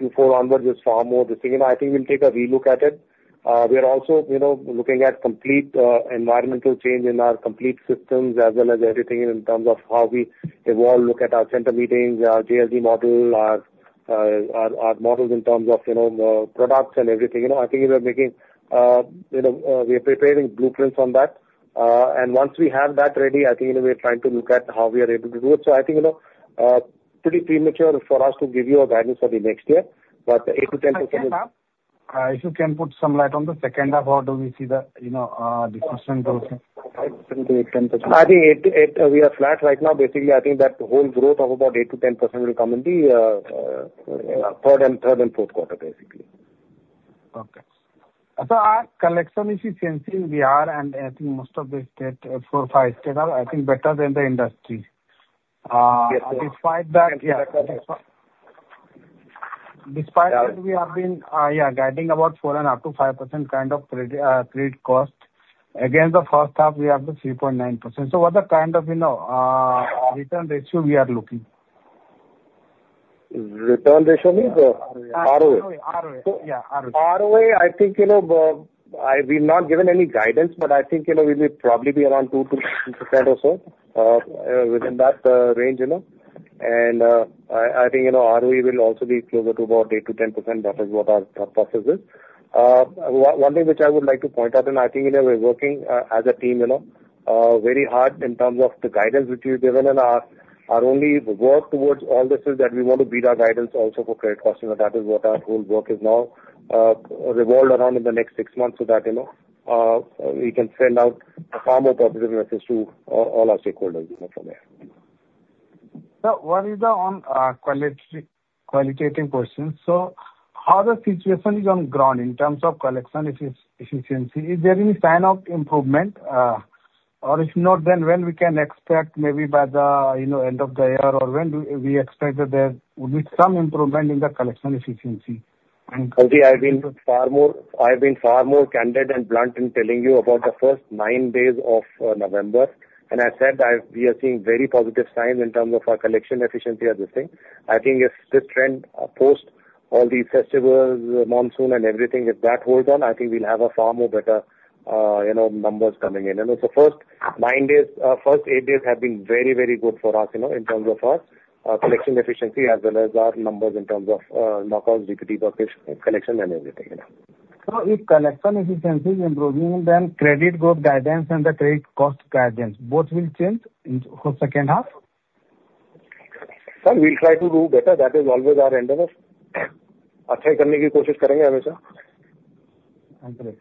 Q4 onwards is far more the thing. I think we'll take a re-look at it. We are also looking at complete environmental change in our complete systems as well as everything in terms of how we evolve, look at our center meetings, our JLG model, our models in terms of products and everything. I think we are preparing blueprints on that. And once we have that ready, I think we're trying to look at how we are able to do it. So I think pretty premature for us to give you a guidance for the next year, but 8%-10%. If you can put some light on the second half, how do we see the disbursement growth? I think we are flat right now. Basically, I think that the whole growth of about 8%-10% will come in the third and fourth quarter, basically. Okay. So our collection efficiency we are, and I think most of the state, four, five states, I think better than the industry. Despite that, yeah. Despite that, we have been, yeah, guiding about 4%-5% kind of credit cost. Again, the first half, we have the 3.9%. So what the kind of return ratio we are looking? Return ratio means ROA. ROA. Yeah, ROA. ROA, I think we're not given any guidance, but I think we will probably be around 2%-3% or so within that range. I think ROE will also be closer to about 8%-10%. That is what our process is. One thing which I would like to point out, and I think we're working as a team very hard in terms of the guidance which we've given, and our only work towards all this is that we want to beat our guidance also for credit costs. That is what our whole work is now revolved around in the next six months so that we can send out a far more positive message to all our stakeholders from there. So what is the qualitative question? So how the situation is on ground in terms of collection efficiency? Is there any sign of improvement? Or if not, then when we can expect maybe by the end of the year, or when do we expect that there will be some improvement in the collection efficiency? I've been far more candid and blunt in telling you about the first nine days of November, and I said we are seeing very positive signs in terms of our collection efficiency as a thing. I think if this trend post all these festivals, monsoon, and everything, if that holds on, I think we'll have a far more better numbers coming in, so first nine days, first eight days have been very, very good for us in terms of our collection efficiency as well as our numbers in terms of knockouts, DPD buckets, collection, and everything. So if collection efficiency is improving, then credit growth guidance and the credit cost guidance, both will change for second half? Sir, we'll try to do better. That is always our endeavor. Aage karne ki koshish karenge hamesha. Thank you.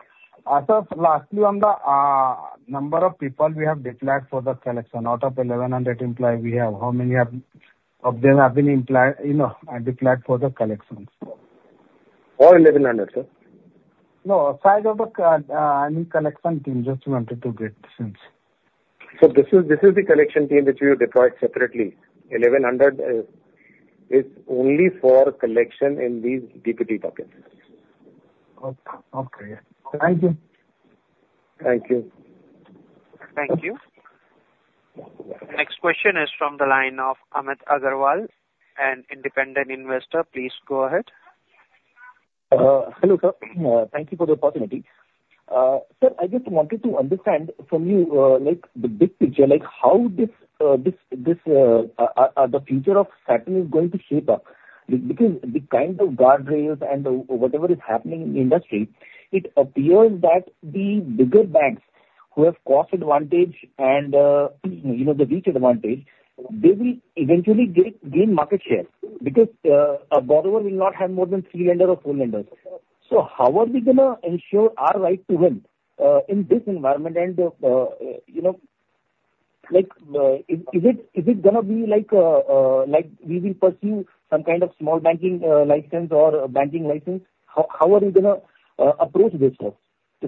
Sir, lastly, on the number of people we have deployed for the collection, out of 1,100 employees we have, how many of them have been deployed for the collections? All 1,100, sir? No, size of the collection team, just wanted to get the sense. So this is the collection team which we have deployed separately. 1,100 is only for collection in these DPD buckets. Okay. Thank you. Thank you. Thank you. Next question is from the line of Amit Agarwal, an independent investor. Please go ahead. Hello, sir. Thank you for the opportunity. Sir, I just wanted to understand from you the big picture, how is the future of Satin going to shape up? Because the kind of guardrails and whatever is happening in the industry, it appears that the bigger banks who have cost advantage and the reach advantage, they will eventually gain market share because a borrower will not have more than three lenders or four lenders. So how are we going to ensure our right to win in this environment? And is it going to be like we will pursue some kind of small banking license or banking license? How are we going to approach this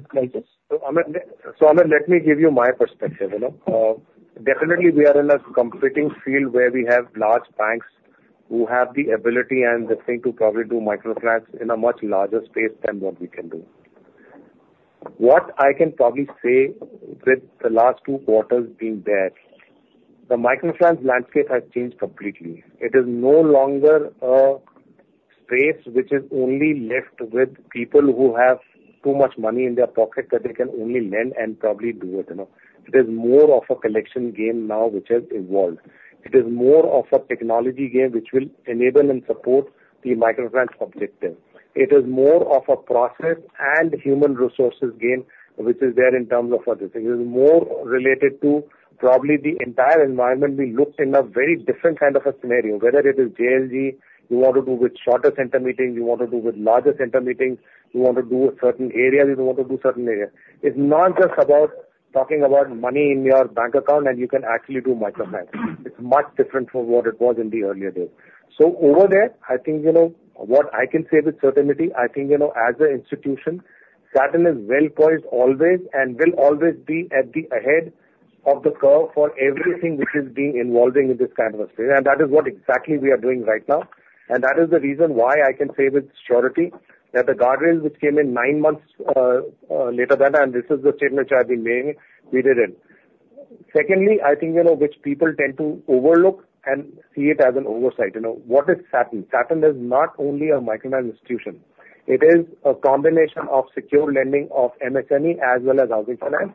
crisis? So Amit, let me give you my perspective. Definitely, we are in a competing field where we have large banks who have the ability and the thing to probably do microfinance in a much larger space than what we can do. What I can probably say with the last two quarters being there, the microfinance landscape has changed completely. It is no longer a space which is only left with people who have too much money in their pocket that they can only lend and probably do it. It is more of a collection game now which has evolved. It is more of a technology game which will enable and support the microfinance objective. It is more of a process and human resources game which is there in terms of other things. It is more related to probably the entire environment. We looked in a very different kind of a scenario. Whether it is JLG, you want to do with shorter center meetings, you want to do with larger center meetings, you want to do with certain areas, you want to do certain areas. It's not just about talking about money in your bank account and you can actually do microfinance. It's much different from what it was in the earlier days. Over there, I think what I can say with certainty, I think as an institution, Satin is well poised always and will always be ahead of the curve for everything which is being involving in this kind of a space. That is what exactly we are doing right now. That is the reason why I can say with surety that the guardrails which came in nine months later than that, and this is the statement which I've been making, we did it. Secondly, I think which people tend to overlook and see it as an oversight. What is Satin? Satin is not only a microfinance institution. It is a combination of secured lending of MSME as well as housing finance.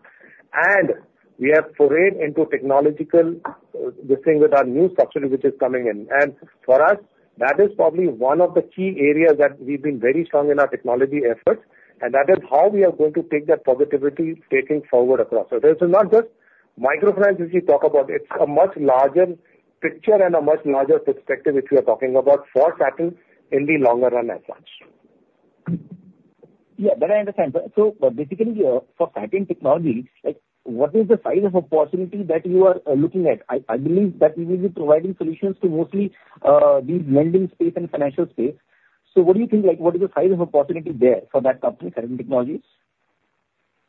And we have forayed into technological this thing with our new structure which is coming in. And for us, that is probably one of the key areas that we've been very strong in our technology efforts. And that is how we are going to take that positivity taking forward across. So this is not just microfinance which we talk about. It's a much larger picture and a much larger perspective which we are talking about for Satin in the longer run as such. Yeah, but I understand. So basically, for Satin technology, what is the size of opportunity that you are looking at? I believe that you will be providing solutions to mostly these lending space and financial space. So what do you think? What is the size of opportunity there for that company, Satin Technologies?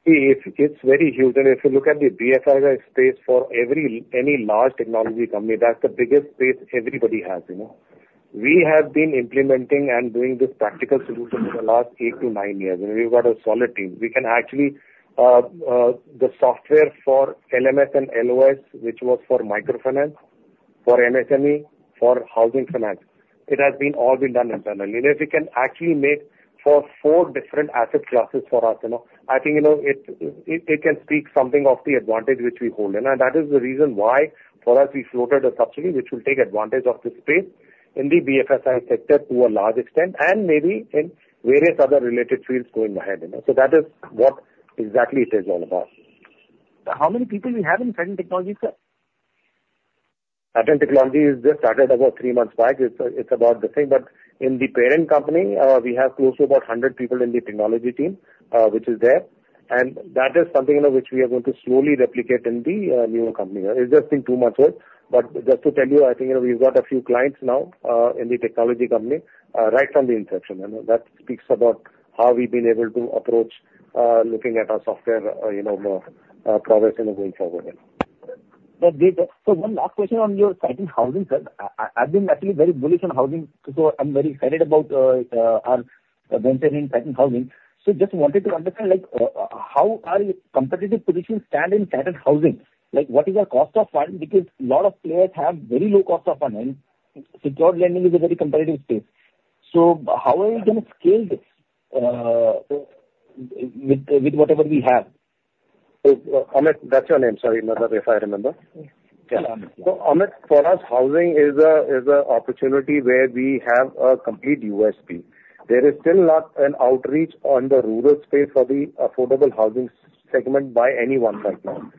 It's very huge. If you look at the BFSI space for any large technology company, that's the biggest space everybody has. We have been implementing and doing this practical solution for the last eight to nine years. We've got a solid team. We can actually the software for LMS and LOS, which was for microfinance, for MSME, for housing finance, it has all been done internally. If we can actually make for four different asset classes for us, I think it can speak something of the advantage which we hold. That is the reason why for us, we floated a subsidiary which will take advantage of the space in the BFSI sector to a large extent and maybe invarious other related fields going ahead. That is what exactly it is all about. How many people do you have in Satin Technologies, sir? Satin Technologies just started about three months back. It's about the same. But in the parent company, we have close to about 100 people in the technology team which is there. And that is something which we are going to slowly replicate in the new company. It's just been two months old. But just to tell you, I think we've got a few clients now in the technology company right from the inception. And that speaks about how we've been able to approach looking at our software progress going forward. So one last question on your Satin Housing, sir. I've been actually very bullish on housing. So I'm very excited about our venture in Satin Housing. So just wanted to understand how our competitive position stands in Satin Housing. What is the cost of funding? Because a lot of players have very low cost of funding. Secured lending is a very competitive space. So how are you going to scale this with whatever we have? Amit, that's your name. Sorry, not that if I remember. So Amit, for us, housing is an opportunity where we have a complete USP. There is still not an outreach on the rural space for the affordable housing segment by anyone right now.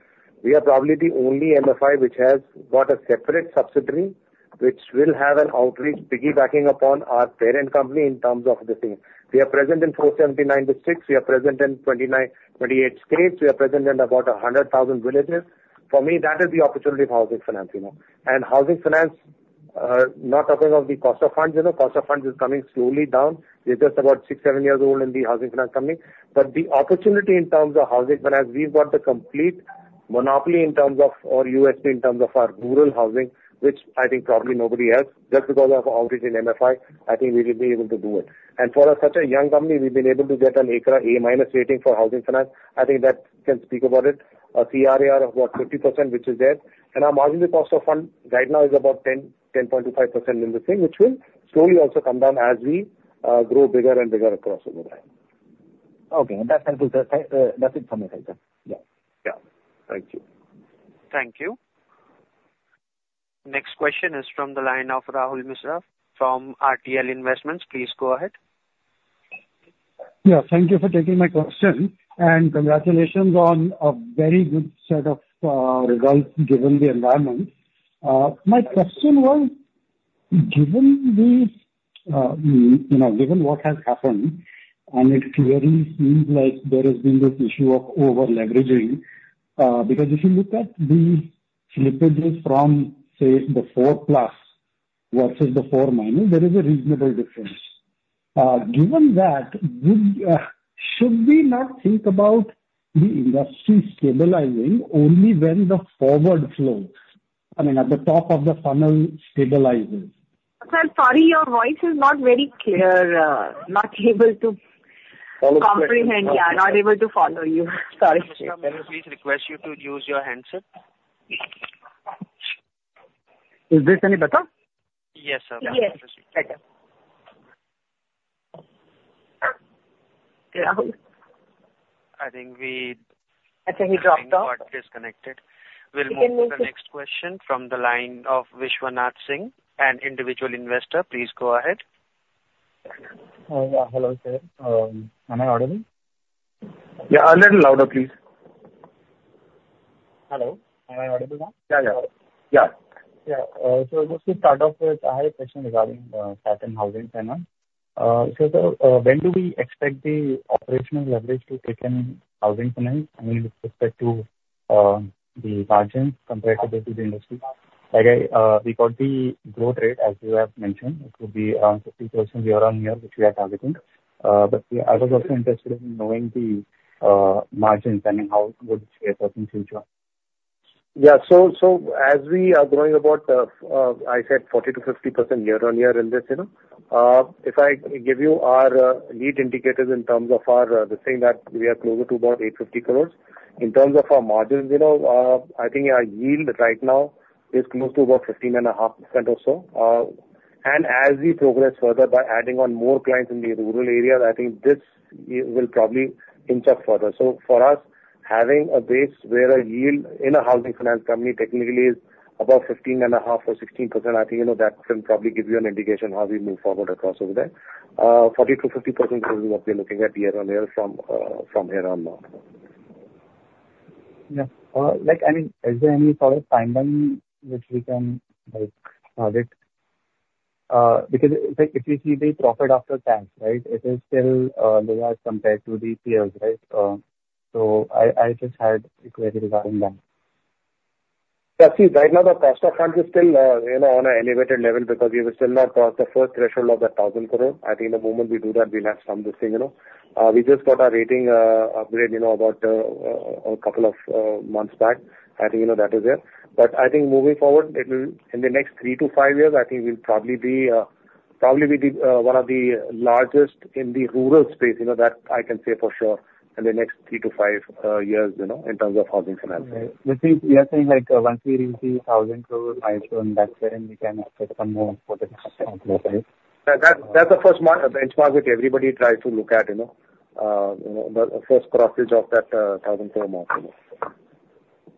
We are probably the only MFI which has got a separate subsidiary which will have an outreach, piggybacking upon our parent company in terms of the thing. We are present in 479 districts. We are present in 28 states. We are present in about 100,000 villages. For me, that is the opportunity of housing finance. And housing finance, not talking of the cost of funds. Cost of funds is coming slowly down. We're just about six, seven years old in the housing finance company. But the opportunity in terms of housing finance, we've got the complete monopoly in terms of our USP in terms of our rural housing, which I think probably nobody has. Just because of outreach in MFI, I think we will be able to do it. And for such a young company, we've been able to get an ICRA A-rating for housing finance. I think that can speak about it. A CRAR of about 50%, which is there. And our marginal cost of fund right now is about 10.25% in the thing, which will slowly also come down as we grow bigger and bigger across over there. Okay. That's helpful. That's it for me, sir. Yeah. Yeah. Thank you. Thank you. Next question is from the line of Rahul Mishra from RTL Investments. Please go ahead. Yeah. Thank you for taking my question. And congratulations on a very good set of results given the environment. My question was, given what has happened, and it clearly seems like there has been this issue of over-leveraging, because if you look at the slippages from, say, the 4+ versus the 4-, there is a reasonable difference. Given that, should we not think about the industry stabilizing only when the forward flow, I mean, at the top of the funnel stabilizes? Sir, sorry, your voice is not very clear. Not able to comprehend. Yeah, not able to follow you. Sorry. Can we please request you to use your handset? Is this any better? Yes, sir. Yes. Better. Rahul? I think we. I think he dropped off. He got disconnected. We'll move to the next question from the line of Vishwanath Singh, an individual investor. Please go ahead. Hello, sir. Am I audible? Yeah, a little louder, please. Hello. Am I audible now? Yeah. So just to start off with, I have a question regarding Satin Housing. When do we expect the operational leverage to take in housing finance? I mean, with respect to the margins compared to the industry. We got the growth rate, as you have mentioned. It would be around 50% year-on-year, which we are targeting. But I was also interested in knowing the margins and how would we assess in future. Yeah. So as we are going about, I said 40%-50% year-on-year in this. If I give you our lead indicators in terms of our—the thing that we are closer to about 850 crore. In terms of our margins, I think our yield right now is close to about 15.5% or so. As we progress further by adding on more clients in the rural areas, I think this will probably inch up further. For us, having a base where a yield in a housing finance company technically is about 15.5% or 16%, I think that can probably give you an indication how we move forward across over there. 40%-50% is what we're looking at year-on-year from here on now. Yeah. I mean, is there any sort of timeline which we can target? Because if you see the profit after tax, right, it is still lower as compared to the peers, right? I just had a query regarding that. See, right now, the cost of funds is still on an elevated level because we were still not past the first threshold of the 1,000 crores. I think the moment we do that, we'll have some of this thing. We just got our rating upgrade about a couple of months back. I think that is there. But I think moving forward, in the next three to five years, I think we'll probably be one of the largest in the rural space. That I can say for sure in the next three to five years in terms of housing finance. You're saying once we reach the 1,000 crore, I assume that's when we can expect some more for the housing finance. That's the first benchmark which everybody tries to look at, the first crossing of that 1,000 crore mark.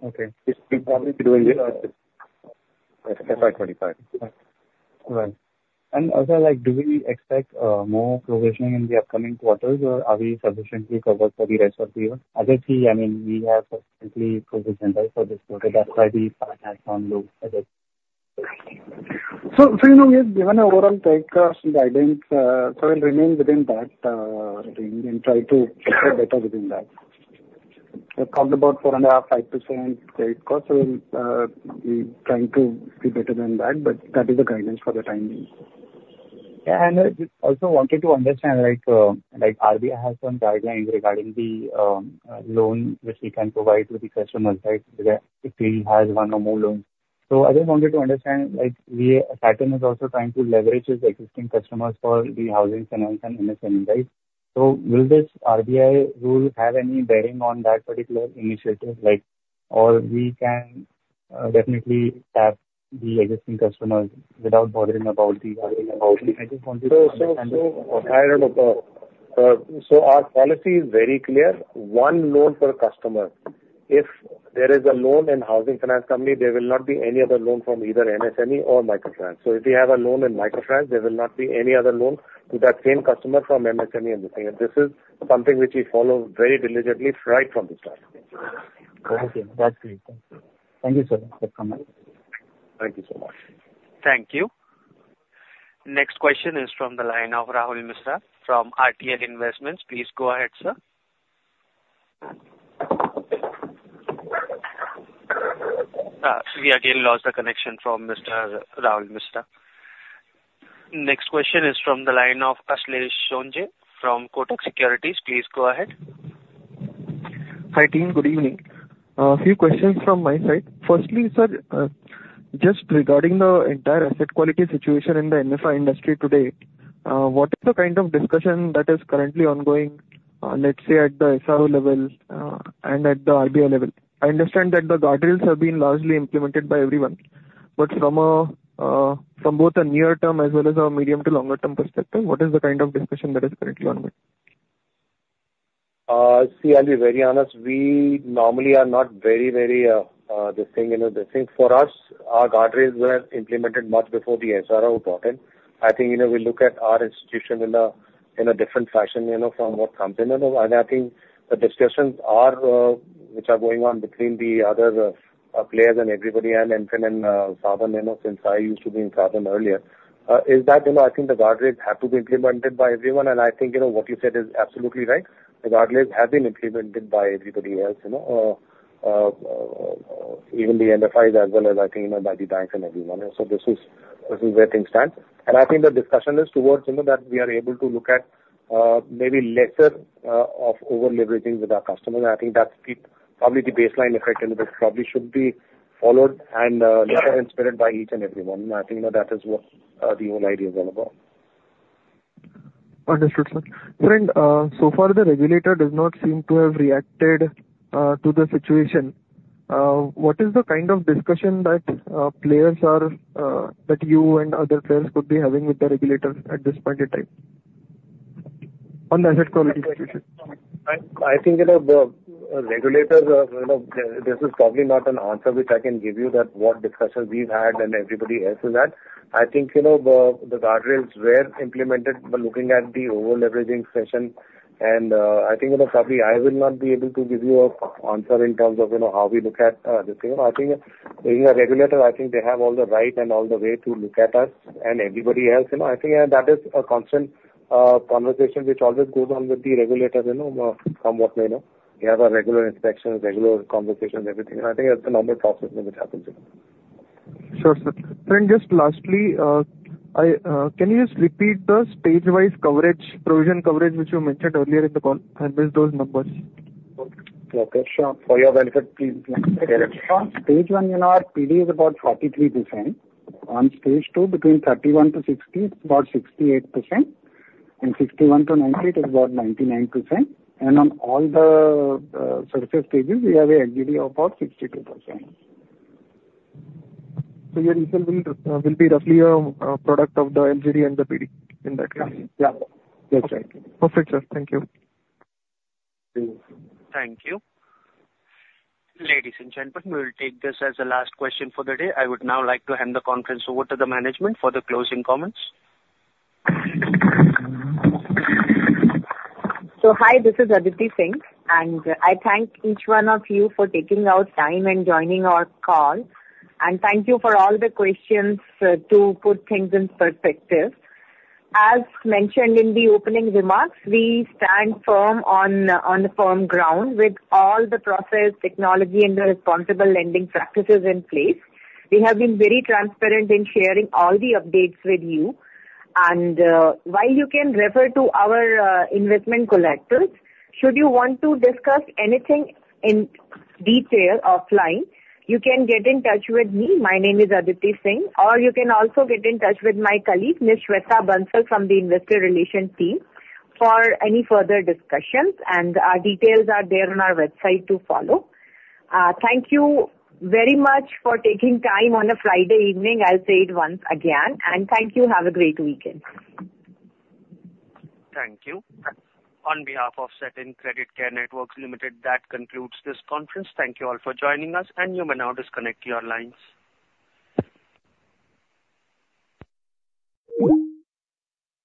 Okay. We'll probably be doing it FY 2025. Right. And also, do we expect more provisioning in the upcoming quarters, or are we sufficiently covered for the rest of the year? As I see, I mean, we have sufficiently provisioned for this quarter. That's why the provision outlook is a bit. Given the overall credit cost guidance, we'll remain within that range and try to get better within that. We've talked about 4.5%-5% credit cost. We're trying to be better than that, but that is the guidance for the time being. Yeah. I also wanted to understand, RBI has some guidelines regarding the loan which we can provide to the customers, right, if they have one or more loans. I just wanted to understand, Satin is also trying to leverage its existing customers for the housing finance and MSME, right? Will this RBI rule have any bearing on that particular initiative? Or we can definitely tap the existing customers without bothering about the guidelines? I just wanted to understand. So our policy is very clear. One loan per customer. If there is a loan in a housing finance company, there will not be any other loan from either MSME or microfinance. So if you have a loan in microfinance, there will not be any other loan to that same customer from MSME and the thing. And this is something which we follow very diligently right from the start. Thank you. That's great. Thank you. Thank you, sir, for coming. Thank you so much. Thank you. Next question is from the line of Rahul Mishra from RTL Investments. Please go ahead, sir. We again lost the connection from Mr. Rahul Mishra. Next question is from the line of Ashlesh Sonje from Kotak Securities. Please go ahead. Hi, team. Good evening. A few questions from my side. Firstly, sir, just regarding the entire asset quality situation in the MFI industry today, what is the kind of discussion that is currently ongoing, let's say, at the SRO level and at the RBI level? I understand that the guardrails have been largely implemented by everyone. But from both a near-term as well as a medium to longer-term perspective, what is the kind of discussion that is currently ongoing? See, I'll be very honest. We normally are not very, very—this thing. For us, our guardrails were implemented much before the SRO brought in. I think we look at our institution in a different fashion from what comes in. And I think the discussions which are going on between the other players and everybody, and in Sa-Dhan since I used to be in Sa-Dhan earlier, is that I think the guardrails have to be implemented by everyone. I think what you said is absolutely right. The guardrails have been implemented by everybody else, even the MFIs as well as, I think, by the banks and everyone. This is where things stand. The discussion is towards that we are able to look at maybe lesser of over-leveraging with our customers. That's probably the baseline effect. It probably should be followed and inspired by each and everyone. That is what the whole idea is all about. Understood, sir. Friend, so far, the regulator does not seem to have reacted to the situation. What is the kind of discussion that you and other players could be having with the regulator at this point in time on the asset quality situation? I think the regulator, this is probably not an answer which I can give you that what discussion we've had and everybody else is at. I think the guardrails were implemented by looking at the over-leveraging session. And I think probably I will not be able to give you an answer in terms of how we look at this thing. I think being a regulator, I think they have all the right and all the way to look at us and everybody else. I think that is a constant conversation which always goes on with the regulator from what we know. We have our regular inspections, regular conversations, everything. And I think that's the normal process which happens. Sure, sir. Friend, just lastly, can you just repeat the stage-wise coverage, provision coverage which you mentioned earlier in the call? I missed those numbers. Okay. Sure. For your benefit, please repeat it. Stage one, PD is about 43%. On stage two, between 31-60, it's about 68%. And 61-90, it is about 99%. And on all the surface stages, we have an LGD of about 62%. So your result will be roughly a product of the LGD and the PD in that case. Yeah. That's right. Perfect, sir. Thank you. Thank you. Ladies and gentlemen, we will take this as the last question for the day. I would now like to hand the conference over to the management for the closing comments. So hi, this is Aditi Singh. And I thank each one of you for taking out time and joining our call. And thank you for all the questions to put things in perspective. As mentioned in the opening remarks, we stand firm on the firm ground with all the process, technology, and the responsible lending practices in place. We have been very transparent in sharing all the updates with you. While you can refer to our investment collectors, should you want to discuss anything in detail offline, you can get in touch with me. My name is Aditi Singh. Or you can also get in touch with my colleague, Ms. Shweta Bansal from the investor relations team, for any further discussions. Our details are there on our website to follow. Thank you very much for taking time on a Friday evening. I'll say it once again. Thank you. Have a great weekend. Thank you. On behalf of Satin Creditcare Network Limited, that concludes this conference. Thank you all for joining us. You may now disconnect your lines.